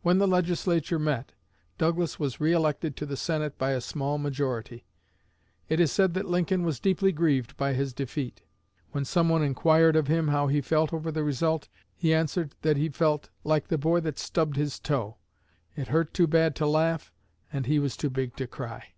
When the Legislature met, Douglas was re elected to the Senate by a small majority. It is said that Lincoln was deeply grieved by his defeat. When some one inquired of him how he felt over the result, he answered that he felt "like the boy that stubbed his toe, 'it hurt too bad to laugh, and he was too big to cry!'"